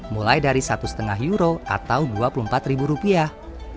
mulai dari satu lima euro atau dua puluh empat ribu rupiah